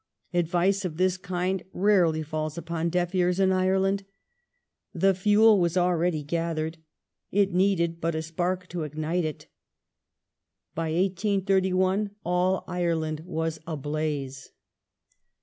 Advice of this kind rarely falls upon deaf ears in Ireland. The fuel was already gathered ; it needed but a spark to ignite it. By 1831 all Ireland was ablaze.